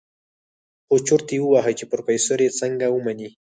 خو چورت يې وهه چې په پروفيسر يې څنګه ومني.